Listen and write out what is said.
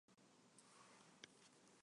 毕业于哥廷根大学。